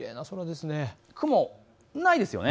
雲がないですね。